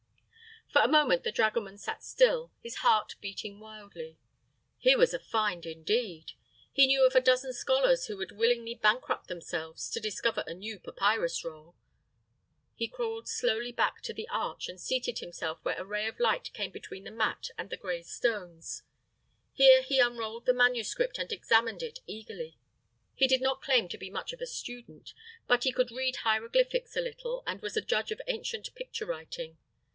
For a moment the dragoman sat still, his heart beating wildly. Here was a find, indeed! He knew of a dozen scholars who would willingly bankrupt themselves to discover a new papyrus roll. He crawled slowly back to the arch and seated himself where a ray of light came between the mat and the gray stones. Here he unrolled the manuscript and examined it eagerly. He did not claim to be much of a student, but he could read hieroglyphics a little and was a judge of ancient picture writing.